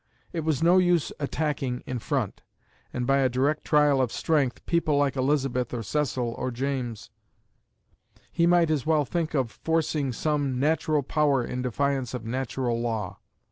It was no use attacking in front, and by a direct trial of strength, people like Elizabeth or Cecil or James; he might as well think of forcing some natural power in defiance of natural law.